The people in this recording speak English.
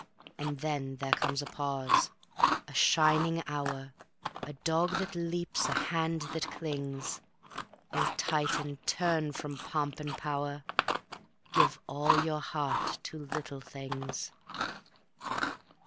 and then There comes a pause, a shining hour, A dog that leaps, a hand that clings: O Titan, turn from pomp and power; Give all your heart to Little Things.